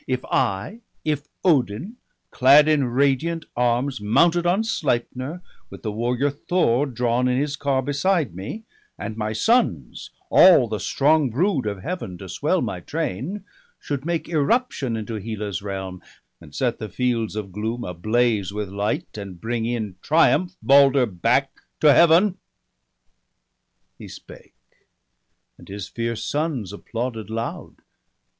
If I, if Odin, clad in radiant arms, Mounted on Sleipner, with the warrior Thor Drawn in his car beside me, and my sons, All the strong brood of Heaven, to swell my train, Should make irruption into Hela's realm, And set the fields of gloom ablaze with light, And bring in triumph Balder back to Heaven?' He spake, and his fierce sons applauded loud.